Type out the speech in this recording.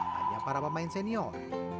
hanya para pemain senior